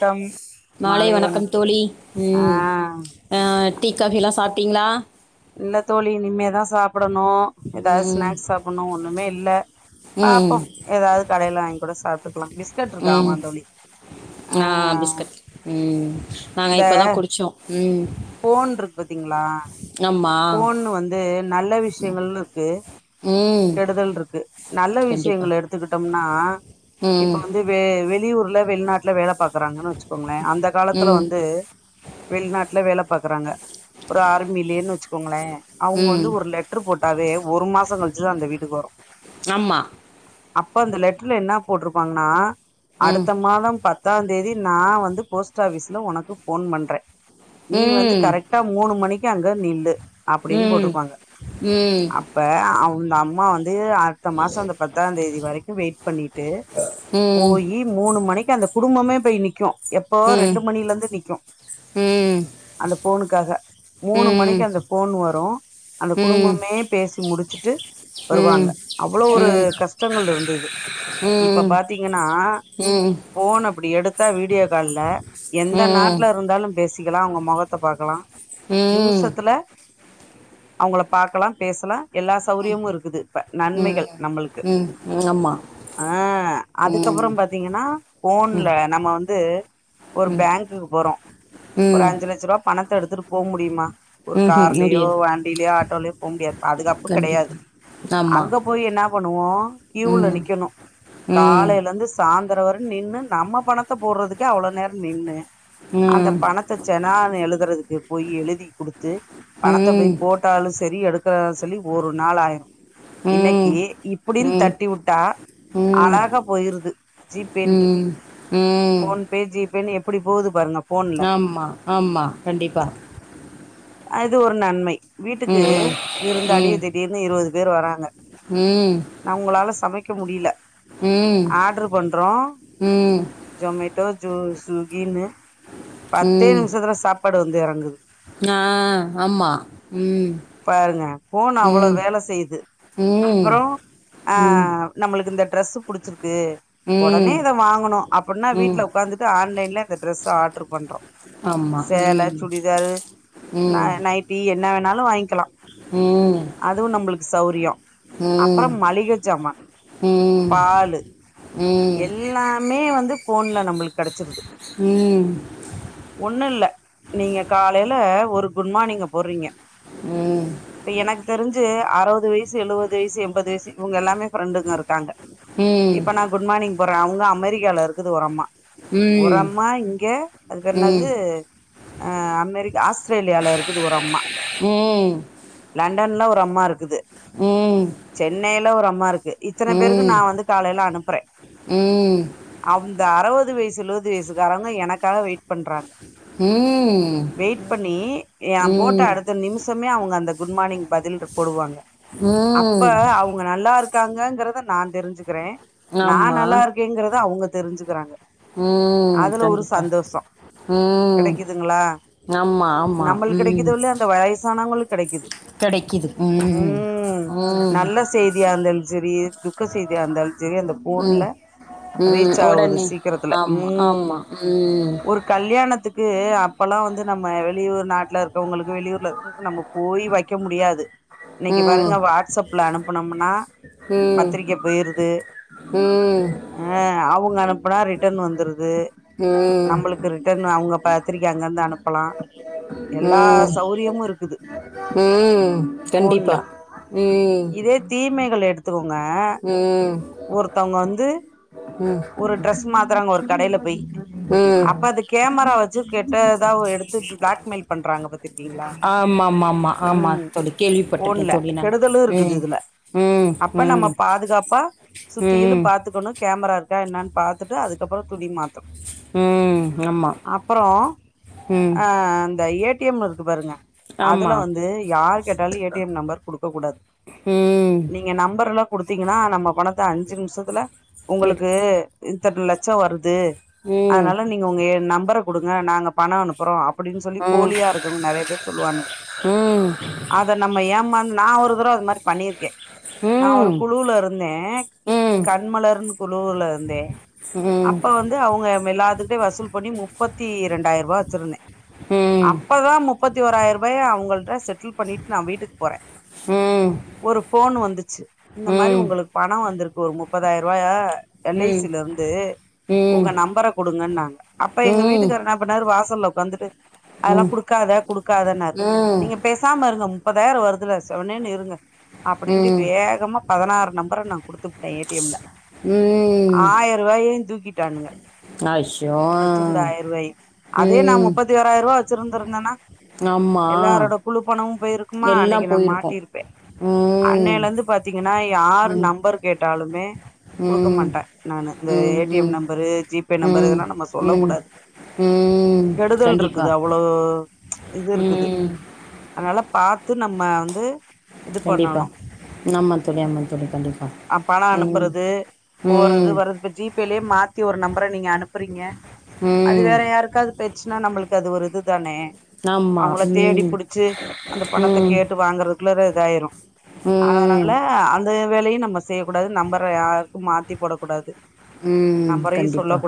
Come மாலை வணக்கம் தோழி ஆ ம் அ டீ காபிலா சாப்ட்டிங்ளா இல்ல தோழி இனிமேதா சாப்படணு எதாவ்து ம் ஸ்நாக்ஸ் சாப்பட்ணு ஒண்ணுமே இல்ல ம் பாப்போ எதாவ்து கடைல வாங்கி கூட சாப்ட்டுக்கலா ம் பிஸ்கட்ருக்காமந் தோழி ஆ பிஸ்கட் ம் நாங்க இப்பதா குடிச்சோ ம் ஃபோன்ட்ருக் பாத்தீங்ளா ஆமா ஃபோன் வந்து நல்ல விஷ் விஷயங்கள்ன்ருக்கு ம் கெடுதல்ட்ருக்கு நல்ல கண்டிப்பாக விஷயங்கள் எடுத்து க்கிட்டம்னா இப்ப ம் வந்து வெ வெளியூர்ல வெளிநாட்ல வேல பாக்குறாங்கன் வெச்சுக்கோங்ளே அந்த காலத்துல ம் வந்து வெளிநாட்டுல வேல பாக்குறாங்க ஒரு ஆர்மிலிலேனு வெச்சு க்கோங்ளே அவுங்க ம் வந்து ஒரு லெட்டரு போட்டாவே ஒரு மாசோ கழிச்சுதா அந்த வீட்டுக்கு வரு ஆமாம் அப்ப அந்த லெட்டர்ல என்னா போட்ருப்பாங்கன்னா ம் அடுத்த மாதம் பத் தாந் தேதி நா வந்து போஸ்ட் ஆபிஸ்ல ஒனக்கு ஃபோன் பண்றே நீ வந்து ம் கரெட் டா மூணு மணிக்கு அங்க நில்லு அப்டின் ம் போட்ருப்பாங்க ம் ம் அ ப்ப அவு அந்தம்மா வந்து அடுத்த மாசோ அந்த பத்தாந் தேதி வரைக்கு வெயிட் பண்ணிட்டு ம் போயீ மூணு மணிக்கு அந்த குடும்பமே போய் நி்க்கு எப்போ ம் ரெண்டு மணிலருந்து நிக்கு ம் ம் அந்த ஃபோனுக்காக மூணு ம் ம் ம் மணிக்கு அந்த ஃபோன் வரு அந்த குடும்பமே பேசி முடிச்சிட்டு வருவாங்க அவ்ளோ ஒரு கஷ்டங்கள் இருந்தது இப்ப பாத்தீங்கனா ஃபோன அப்டி எடுத்தா வீடியோ கால்ல எந்த ம் ம் நாட்லருந்தாலு பேசிக்கலா அவுங்க மொகத்த பாக்கலா நிமுஷத்துல அவுங்கள பாக்லா பேசலா எல்லா சௌரியமு இருக்குது இப்ப ம் நன்மைகள் நம்ளுக்கு ம் ஆமாம் ஆ ம் அதுக்கப்றோ பாத்தீங்கன்னா ம் ஃபோன்ல நம்ம வந்து ஒரு ம் பேங்க்குக்கு போறோ ஒரு ம் அஞ்சு லட்ச ரூவா பணத்த எடுத்துட்டு போ முடிமா ம்ஹும் கார்லியோ முடியாது வண்டிலயோ ஆட்டோலயோ போ முடியாது பாதுகாப்பு கெடயாது கண்டிப்பாக ஆமாம் அங்க போயி என்னா பண்ணுவோ கீயூல ம் நிக்கனு ம் காலைலந்து சாய்ந்தர வர நின்னு நம்ம பணத்த போட்றதுக்கே அவ்ளோ நேரோ நின்னு ம் அந்த ம் பண த்த செலான எழுதுறதுக்கு போயி எழுதி குடுத்து பணத்த போய் ம் போ ட்டாலு செரி எடுக்கறதா செரி ஒரு நாளாய்ரு இன்னக்கி ம் இப்புடீன் ம் தட்டி வுட்டா அழகா போய்ருது ஜி பே ன்ட்டு ம் ம் போன் பே ஜி பே‌ ன் எப்டி போது பாருங்க போன்ல ஆமா ஆமா கண்டிப்பா அது ஒரு நன்மை வீட்டுக்கு ம் ம் விருந்தாளியே திடீர்னு இருவது பேர் வராங்க ம் நா ஒங்ளால சமைக்க முடில ம் ஆட்ரு பண்றோ ம் ஜொமேட்டோ ஜூ ஸ்விகின்னு பத்தே ம் நிம்ஷத்துல சாப்பாடு வந்து எறங்குது ஆ ஆமா ம் பாருங்க போன் அவ்ளோ ம் வேல செய்து ம் அப்றோ ஆ ம் நம்மளுக்கு இந்த டிரெஸு புடிச்சிருக்கு ஒடனே ம் இத வாங்கனு அப்பின்னா ம் வீட்ல உக்காந்துட்டு ஆன்லைன்ல இந்த டிரெஸ்ஸ ஆட்ரு பண்றோ ஆமாம் சேல ம் சுடிதாரு நா நைட்டி என்ன வேணாலு வாய்ன்க்லா ம் அதுவு நம்ளுக்கு சௌரியோ ம் அப்றோ ம் மளிக ஜாமான் ம் பாலு எல்லாமே வந்து போன்ல நம்ளுக் கெடச்சிருது ம் ஒண்ணுல்ல நீங்க காலைல ஒரு குட் மார்னிங்க போட்றீங்க இப்ப எனக்கு தெரிஞ் சு அறுவது வய்சு எழுவது வய்சு எம்பது வய்சு இவுங்க எல்லாமே ஃபிரெண்டுங்கருக்காங்க இப்ப நா குட் மார்னிங் போட்றே அவுங்க அமெரிக்கால இருக்குது ஒரு அம்மா ஒரம்மா இங்க அது பேரென்னாது அ அமெரிக்கா ஆஸ்த் ரேலியா இருக்குது ஒரம்மா லண்டன்ல ஒரு அம்மாருக்குது சென்னைல ஒரு அம்மாருக்கு இத்தன பேருக்கு நா ம் வந்து காலைல அனுப்புறே ம் அந்த அறவது வய்சு எழுவது வய்சுக்காரவ்ங்க எனக்காக வெய் ம் ட் பண்ணி எ போட்ட அடுத்த நிமுஷமே அவுங்க அந்த குட்மார்னிங் பதில்ட்ரு போடுவாங்க அப்ப ம் அவுங்க நல்லாருக்காங்கங்கறத நா தெரிஞ்சுக்கிறே நா ஆமாம் நல்லார் க்கேங்கறத அவுங்க தெரிஞ்சுக்கிறாங்க ம் அதுல ஒரு கண்டிப்பா சந்தோஷோ ம் ஆமா நம்மள்க் கெடைக்கிதோ இல்லயோ அந்த வய்சானவங்ளுக்கு கெடைக்கிது கெடைக்கிது உம் உம் செய்தியாந்தல் சேரி துக்க செய்தியாந்தல் சேரி அந்த போன்ல ம் ம் ரீச்சாவுது உடனே சீக்கிரத்தில ஆமாம் ம் ஆமாம் ம் ஒரு கல்யாணத்துக்கு அப்பெல்லா வந்து நம் ம வெளியூர் நாட்ல இருக்கோங்களுக்கு வெளியூர்லக்கோங்களுக்கு நம்ம போயி வெக்க முடியாது இன்னிக்கு ம் பாருங்க வாட்ஸ் அப்ல அனுப்புனம்னா பத்திரிக்க போயிடுது ம் அ அவுங்க அனுப்புன்னா ரிட்டன் வந்துருது ம் நம்மளுக்கு ரிட்டன் அவுங்க பத்திரக்க அங்க இருந்து அனுப்புல்லா எல்லா ம் ம் சௌரியமு இருக்குது ம் போன்ல கண்டிப்பா ம் இதே தீமைகள் எடுத்துக்கோங்க ம் ஒருத்தவங்க வந்து ம் ஒரு ட்ரெஸ் மாத்துறாங்க ஒரு கடைல போய் ம் அப்ப அது கேமரா வச்சு கெட்டுதா ஒரு எடுத்து பிளாக்மெயில் பண்றாங்க பத்திருக்கீங்களா ஆமா ஆமா ஆமா ஆமா ம் தோழி போன்ல கேள்விப்பட்டிருக்கேன் தோழி நான் கெடுதலு இருக்குது ம் இதுல ம் அப்ப நம்ம ம் பாதுகாப்பா சுத்தியிலு ம் பாத்துக்கணு கேமரா இருக்கா என்னன்னு பாத்துட்டு அதுக்கப்பறோ துணி மாத்து ம் ஆமா ம் அ இந்த ஏ டி எம் இருக்கு பாருங்க அதுல ஆமா வந்து யார் கேட்டாலு ஏ டி எம் நம்பர் கொடுக்க கூடாது ம் நீங் நீங்க நம்பர்ல்லா குடுத்தீங்கன்னா நம்ம பணத்த அஞ்சு நிமிஷத்துல உங்களுக்கு எடுத்து இத்தன லட்சோ வருது ம் அதுனால நீங்க உங்க ஏ நம்பர கொடுங்க நாங்க பணனோ அனுப்புறோ அப் அப்டின்னு சொல்லி ம் போலியா இருக்கவங்க நெறய பேர் சொல்லுவானுுங்க ம் அத நம்ம ஏமாந்து நா ஒரு தடவ அது மாரி பண்ணிருக்க ம் நா ஒரு ம் குழுல இருந்த ம் ம் கண்மலர்ன் குழுல இருந்த ம் இது அவங்க நம்ப எல்லாதுக்கிட்டயு வசூல் பண்ணி முப்பத்தி இரண்டாயிர ரூபா வச்சிருந்த ம் ம் அப்பதா முப்பத்தி ஓயிரம் ரூபா அவங்கள்ட்ட செட்டில் பண்ணிட்டு நா வீட்டுக்கு போற ஒரு போன் வந்துச்சு இந்த மாரி உங்களுக்கு பணம் வந்திருக்கு ஒரு முப்பதாயிர ரூபா எல் ஐ சி ல இருந்து உங்க நம்பர கொடுங்கன்னாங்க அப்ப எங்க வீட்டுக்காரு என்ன பண்ணாரு வாசு ல்ல உக்காந்துட்டு அதல்லா குடுக்காத குடுக்காதன்னாரு ம் நீங்க பேச பேசாம இருங்க முப்பதாயிர வருதுல செவனேன்னு இருங்க அப்டின்ட்டு ம் வேகமா பதினாறு நம்பர நா குடுத்து புட்டா ஏ டி எம் ல ம் ம் ஆயிர ரூபாய் தூக்கிட்டானுங்க அஷ்ஷோ வெச்சிருதா ஆயிர ரூபாய் அதே நா ம் முப்பத்தி ஒரு ஆயிர ரூபா வச்சிருந்தந்தனா ஆமா எல்லாரோட குழுப்பணமு போயிருக்குமா எல்லா அன்னிக்கு நா போயிருக்கோ மாட்டியிருப்ப ம் அன்னைல இருந்து பாத்தீங்கன்னா யாரு ம் நம்பர் கேட்டாலுமே கொடுக்க ம் மாட்ட நானு இந்த ம் ஏ டி ம் எம் நம்பரு ஜிபே நம்பரு ம் இதல்லா நம்ம சொல்ல ம் கூடாது ம் கெடுதல் கண்டிப்பா இருக்குது அவ்ளோ இது இருக்குது ம் அதனால பாத்து நம்ம வந்து இது கண்டிப்பா பண்ணணு ஆமா தோழி ஆமா தோழி கண்டிப்பா பணோ ம் அனுப்புறது போறது ம் வரது இப்ப ஜிபேலயே மாத்தி ஒரு நம்பர நீங்க அனுப்புறீங்க அது ம் வேற யாருக்காவது போய்டுச்சுன்னா நம்மளுக்கு அது ஒரு இதுதான ஆமா அவங்கள தேடி ம் புடிச்சு அந்த பணத்த ம் கேட்டு வாங்கறதுக் குள்ள இதாயிரு ம் அதனால அந் அந்த வேலையு நம்ம செய்யக்கூடாது நம்பர யாருக்கு மாத்தி போடக் கூடாது ம் கண்டிப்பா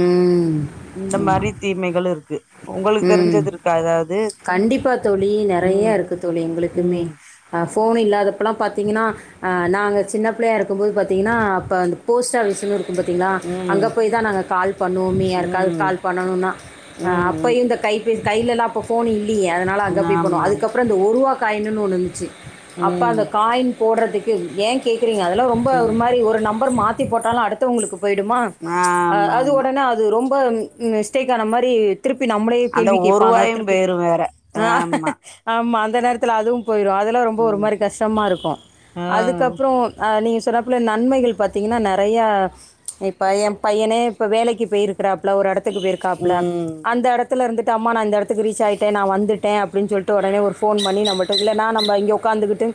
ம் இந்த மாரி தீமைகளு இருக்கு உங்களுக்கு ம் தெரிஞ்சது இருக்கா ஏதாவது கண்டிப்பா தோழி ம் நெறய இருக்கு தோழி எங்களுக்குமே ம் ஃபோன் இல்லாதப்பலா பாத்தீங்ன்னா ஆ நாங்க சின்ன புள்யா இருக்கும் போது பாத்தீங்கன்னா அப்ப அந்த போஸ்ட் ஆஃபிஸ்ன் இருக் க்கும் பாத்தீங்ளா அங்க ம் போய் தா நாங்க கால் பண்ணுவோமே யாருக்காவ்து ம் கால் பண்ணணுனா ஆ ம் அப்பயும் இந்த கைப்பே கையிலலா அப்ப ஃபோன் இல்லீயே அதனால அங்க ம் போய் பண்ணுவோ ஆமா அதுக்கப்றோ ப்ப ஒரூவா காயின்னுன் ஒண்ணு இருந்துச்சு அப்ப ம் அந்த காயின் போட்றதுக்கு ஏன் கேக்குறீங்க அதுலா ரொம் ப ஒரு ம் மாரி ஒரு நம்பர் மாத்தி போட்டாலும் அடுத்தவங்ளுக்கு போயிடுமா ஆமா அது ஆமா ஒடனே அத் து ரொம்ப மிஸ்டேக் ஆன மாரி திருப்பி நம்ளே அந்த கேள்வி கேப்பாங்க ஒருவாயு திருப்பி போயிரு வேற ஆ ஆமா ஆமா அந்த நேரத்துல அதுவும் போயிடும் அதுலா ரொம்ப ஒரு ம் மாரி கஷ்டமா இருக்கும் ஆ அதுக்கப்றோ ஆ நீங்க சொன்னாப்ல நன்மைகள் பாத்தீங்கின்னா நெறயா இப்ப என் பையனே இப்போ வேலைக்கு போயிருக்கறாப்ல ஒரு எடத்துக்கு போயிருக்காப்ல ம் அந்த எடத்துல இருந்துட்டு அம்மா நா இந்த எடத்துக்கு ரீச் ஆயிட்டா நா வந்துட்ட அப்டின் சொல்ட்டு ஒடனே ஒரு ஃபோன் பண்ணி நம்பட்ட இல்ல நா நம்ப இங்க உக்காந்துகிட்டு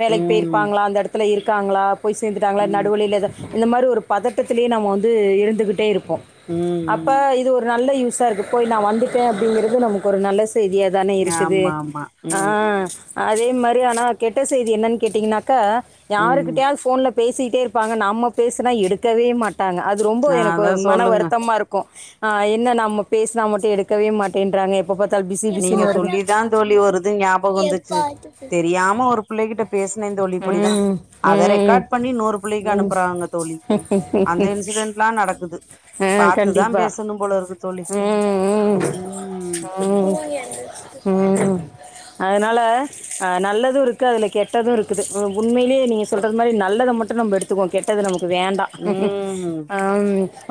வேலைக் ம் போயிருப்பாங்ளா அந்த எடத்துல இருக்காங்ளா போய் சேந்துட்டாங்களா ம் நடுவ்ல இல்ல இந்த மாரி ஒரு பதட்டத்திலே நம்ம வந்து இருந்துகிட்டே இருப்போம் ம் அப்ப ம் இது ஒரு நல்ல யூஸ் இப்போ நா வந்துட்ட அப்டிங்கிறது நமக்கு ஒரு நல்ல செய்தியா தான இருக்குது ஆமா ஆமா ஆ ம் அதே மாரி ஆனா கெட்ட செய்தி என்னன் கேட்டிங்ன்னாக்கா ம் யாருக்கிட்டயாவ் ஃபோன்ல பேசிட்டே இருப்பாங்க நம்ம பேசுனா எடுக்கவே மாட்டாங்க அத் து ரொம்ப நா எனக்கு அதா மன சொல்லுங்க வருத்தமா இருக்கும் ஆ என்ன நம்ம பேசுனா மட்டு எடுக்கவே மாட்டேன்றாங்க எப்ப பாத் நீங்க சொல்லி தா தோழி ஒரு இது ஞாபக் வந்துச்சு தெரியாம ஒரு புள்ள கிட்ட பேசுன தோழி இப்படிதா ம் அத ம் ரெக்கார்ட் பண்ணி இன்னொரு புள்ளைக்கு அனுப்புறாங்க தோழி ம் அந்த இன்சிடென்ட்லா நடக்குது ஆ பாத்து தா கண்டிப்பா பேசணும் போல இருக்கு தோழி ம் ம் ம் ம் அதனால நல்லதும் இருக்கு அதுல கெட்டதும் இருக் குது உண்மைலே நீங்க சொல்றது மாரி நல்லத மட்டும் நம்போ எடுத்துக்குவோ கெட்டது நமக்கு வேண்டா ம் ஆ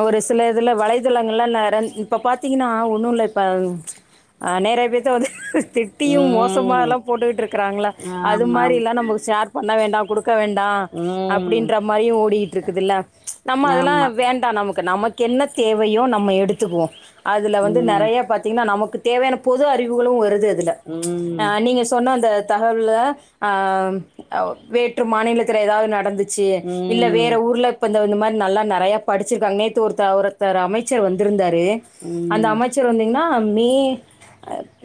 ஒரு சில இதுல வலைதளங்கள்லா நெர இப்ப பாத்தீங்கன்னா ஒன்னு இல்ல இப்ப ஆ நேர பி தா வந்து டீயும் ம் மோசமாலா போட்டுட் இருக்கறாங்ளா அது ஆமாம் மாரிலா நம்போ ஷேர் பண்ண வேண்டா குடு க்க வேண்டா ம் அப்படின்ற மாரியும் ஓடீயிட் இருக்குதுல்ல நம்ம அதெல்லாம் ஆமா வேண் டா நமக்கு நமக்கு என்ன தேவயோ நம்ம எடுத்துக்குவோ அதுல வந்து ம் நெறைய பாத் திங்ன்னா நமக்கு தேவயான பொது அறிவுகளும் வருது அதுல ம் அ நீங்க சொன்ன அந்த தகவல்ல ஆ வேற்று மாநிலத்தில எதாவ் நடந்துச் ச்சு இல்ல ம் வேற ஊர்ல இப்போ இந்த இந்த மாரி நல்லா நெறயா படிச்சுருக்காங்க நேத்து ஒருத்த ஒருத்தர் அமைச்சர் வந்திருந்தாரு ம் இந்த அமைச்சர் வந்திங்ன்னா மே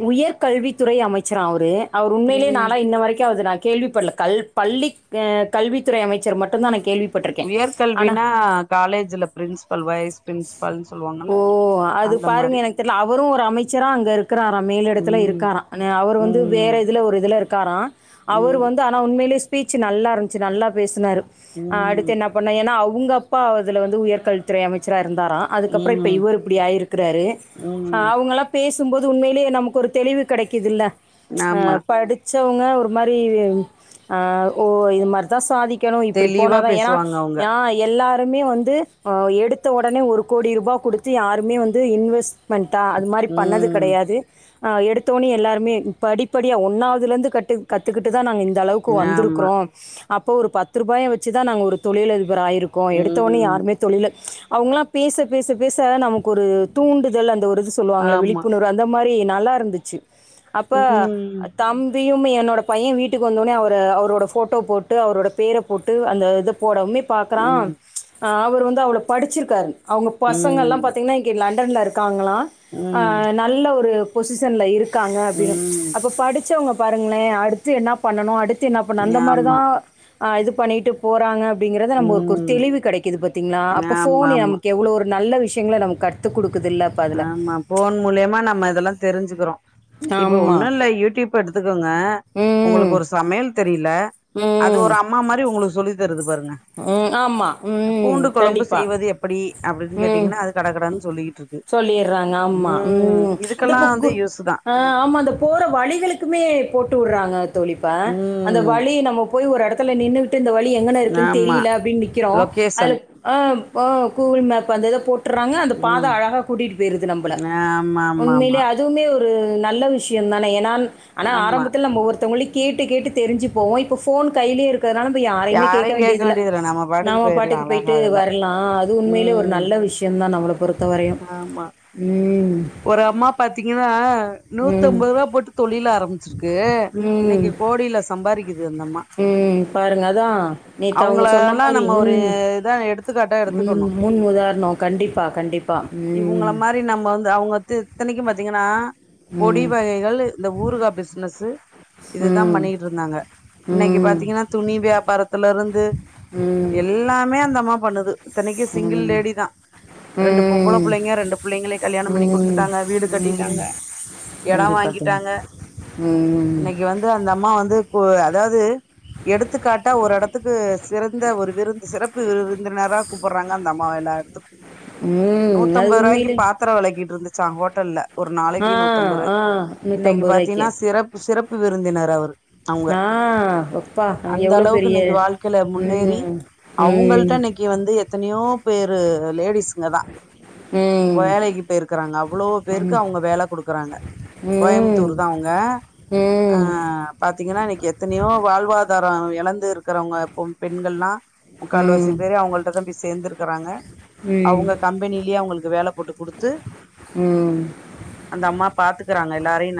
உயர்கல்வித்துறை அமைச்சரா அவுரு அவரு உண்மையிலே நா ம் லா இன்ன வரைக்கும் அது நா கேள்வி பட்ல கல் பள்ளி அ கல்வித்துறை அமைச்சர் மட்டு தா நா கேள்வி உயர்கல்வினா காலேஜ்ல பிரின்ஸ்பல் வைஸ் பிரின்ஸ்பல்ன் சொல்லுவாங்க ஓ அது பாருங்க எனக்கு தெர்ல அவரும் ஒரு அமைச்சரா அங்க இருக் க்கறார மேல எடத்துல ம் இருக்கார அவர் வந்து ம் வேற இதுல ஒரு இதுல இருக்காரா அவரு ம் வந்து ஆ னா உண்மைலே ஸ்பீச் நல்லா இருந்துச்சு நல்லா பேசுனாரு அடுத் ம் து என்ன பண்ணார் ஏன்னா அவுங்க அப்பா அதுல வந்து உயர்கல்வித்துறை அமைச்சரா இருந்தாரா அத் அப்பறம் இப்ப ம் இவரு இப்டி ஆயிருக்குறாரு ம் அவுங்களா பேசும் போது உண்மையிலேயே நமக்கு ஒரு தெளிவு கிடைக்குதுல்ல அ ஆமா படு ச்சவங்க ஒரு மாரி ஓ இது மார்தான் சாதிக் க்கணும் இப்டி தெளிவா போனாதான் ஏன்னா பேசுவாங்க அவங்க யா எல்லாருமே வந்து எடுத்த உடனே ஒரு கோடி ரூபா குடுத்து யாருமே வந்து இன்வெஸ்ட்மெண்ட்டா அது மாரி பண்ணது ம் கெடயாது எடுத்தோனே எல்லாருமே படிப்படியா ஒன்றாவதுலேருந்து கட்டு கத்துகிட்டு தான் நாங்கள் இந்த அளவுக்கு ஆமா வந்திருக்கறோம் அப்போ ஒரு பத்து ரூபாய வச்சு தான் நாங்க ஒரு தொழிலதிபர் ஆயிருக்கோம் எடுத்த உடனே ம் யாருமே தொழில் அவங்களாம் பேச பேச பேச நமக்கு ஒரு துண்டுதல் அந்த ஒரு சொல்லுவாங்கள ஆமா விழிப்புணர் அந்த மாரி நல்லா இருந்துச்சு அப்பா ம் தம் அதையுமே என்னோட பையன் வீட்டுக்கு வந்தோனே அவர அவரோட போட்டோ போட்டு அவரோட பேரப் போட்டு அந்த இதை போடமே பாக்கறான் ம் அவர் வந்து அவ்ளோ படிச்சிருக்காரு அவங்க பசங்க ம் எல்லாம் பாத்தீங்கன்னா லண்டன்லா இருக்காங்களாம் ம் நல்லா ஒரு பொசிஷன்ல இருக் க்காங்க அப்டின்னு ம் அப்ப படிச்சவங்க பாருங்களேன் அடுத்து என்ன பண்ணணும் அடுத்து என்ன பண்ணணும் அந்த மாரி ஆமா தான் இது பண்ணிட்டு போறாங்க அப்டிங்கறது நம்ம ஒரு ம் தெளிவு கிடைக்குது பாத்தீங்களா அப்ப ஆமா போன ஆமா நமக் எவ்ளோ ஒரு நல்லா விஷயங்களை நமக்கு காத்து குடுக்குதுல்ல அப்ப அதுல ஆமா போன் மூலயமா நம்ம இதெல்லாம் தெரிஞ்சுக்கிறோம் இப்ப ஆமா ஒன்னும் இல்லா யூடியூப் எடுத்துக்கோங்க ம் உங்களுக்கு ஒரு சமையல் தெரிலா அது ம் ஒரு அம்மா மாரி உங்களுக்கு சொல்லி தருது பாருங்க ம் ஆமா ம் பூண்டு குழம்பு கண்டிப்பா செய்வது எப்டி அப்டின்னு கேட்டீங்கன்னா அது கடா கடனு சொல்லி ட்ருது ட்ராங்க ஆமா ம் இந்த புக்கு வந்து யூஸ் தா ஆ ஆமா இந்த போரா வழிகளுக்குமே போட்டு விடுறாங்க தோழி இப்ப அந்த ம் வழி நம்ம போய் ஒரு இடத்துல நின்னு இந்த வழி எங்கன இருக்குன்னு ஆமா தெரில அப்டின்னு நிற்கிறோம் அதுல லொகேஷன் ஆ ஆ கூகுள் மேபு அந்த இத போட் ட்றாங்க அந்த பாத ம் அழகா கூட்டிட்டு போயிருது நம்மளா ஆமா ஆமா உண்மையிலே ஆமா ஆ அதுவுமே ஒரு நல்லா விஷயம் தானே ஏன்னா ஆனா ஆமா ஆரம்பத்தில் நம்ம ஒவ்வொருத்தவங்லிக்கு கேட்டு கேட்டு தெரிஞ்சு போம் இப்போ போன் கையிலயே இருக்கதால நம்ம யாரையுமே யாரையு கேட்க வேண்டியதில்லா வேண்டியதுல்ல நம்ம நாம போயிரலா பாட்டுக்கு அழகா போயிட்டு அதுல வரலாம் அது உண்மையிலே ஒரு ம் நல்ல விஷயம் தான் நம்மளை பொறுத் எத்தப்பையும் ஆமா ம ஒரு அம்மா பாத்தீங்கன்னா நூத்தம்பது ரூபா போட்டு தொழிலா ஆரம்பிச்சிருக்கு ம். இன்னைக்கி கோடியிலா சம்பாதிக்குது அந்தம்மா ம் பாருங்க அதான் நேத்து அவுங்க சொன்ன அவங்களல்லா மாரி நம்ம ஒரு ம் இதா எடுத்துக்காட்டா எடுத்துக்கணு ம் முன் உதாரணம் கண்டிப்பா கண்டிப்பா ம். இவங்கள மாரி நம்ம வந்து அவங்க இத்தனைக்கும் பாத்தீங்கன்னா பொடி ம். வகைகள் இந்த ஊறுகா பிஸ்னஸ்சு இதுதா ம். பண்ணிட்ருந்தாங்க இன்னைக்கி ம். பாத்தீங்கன்னா துணி வியாபாரத்துல இருந்து ம். எல்லாமே அந்த அம்மா பண்ணுது இதனைக்கி சிங்கிள் ம். லேடி தான் ரெண்டு பொம்பளை ம் பிள்ளைங்க ரெண்டு பிள்ளைங்களும் கல்யண பண்ணி ம் குடுத்துட்டாங்க வீடு ம் கட்டிட்டாங்க எடோ வாங்கிட்டாங்க ம்ம்ம் இன்னைக்கி வந்து அந்த அம்மா வந்து கு அதாவுது எடுத்துக்காட்டா ஒரு இடத்துக்கு சிறந்த ஒரு விருந்து சிறப்பு விருந்தினரா கூப்புடுறாங்க அந்த அம்மாவ எல்லாத்துக்கும் ம் அது நூத்தம்பது ரூபாய்க்கு உண்மையிலே பாத்திரோ விலகிட்டு இருந்துச்சா ஹோட்டல்ல ஒரு ஆ நாளைக்கி நூத்தம்பதுறாய்க் ஆ இன்னக்கி நூற்றம்பது பாத்தீன்னா ரூபாய்க்கு சிறப் சிறப்பு விருந்தினர் அவரு அவுங்க ஆ அப்பா அந்த எவ்வளோ அளவுக்கு பெரிய இன்னிக்கி வாழ்க்கையில முன்னேறி ம் அவங்கள்ட்ட ம் இன்னிக்கி இங்க வந்து எத்தனையோ பேரு லேடிஸ்ங்க தா ம் ம் வேலக்கி போய் இருக்கறாங்க அவ்ளோ பேருக்கு அவங்க வேல கொடுக்குறாங்க ம் கோயம்புத்தூர் தா அவங்க ஆ ம் பாத்தீங்கன்னா இன்னக்கி எத்தனையோ வாழ்வாதாரோ இழந்து இருக்கிறவங்க பெண்கள்லா ம் முக்கால்வாசி பேரு அவங்கள்ட தா போய் சேர்ந்திருக்கிறாங்க ம் அவுங்க கம்பெனிலயே அவங்களுக்கு வேல போட்டு குடுத்து ம் அந்த அம்மா பாத்துக்கறாங்க எல்லாரயூ